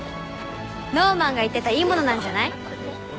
ノーマンが言ってたいいものなんじゃない？